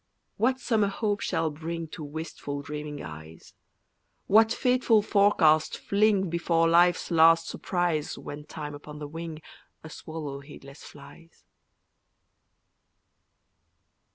What summer hope shall bring To wistful dreaming eyes? What fateful forecast fling Before life's last surprise When Time upon the wing, A swallow heedless flies?